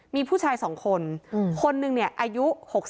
มีผู้ชาย๒คนคนหนึ่งเนี่ยอายุ๖๒